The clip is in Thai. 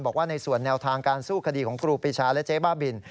บอกว่าในส่วนแนวทางการสู้คดีของครูปีชาและเจ๊บ้าบิน